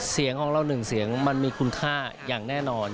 เสียงของเราหนึ่งเสียงมันมีคุณค่าอย่างแน่นอน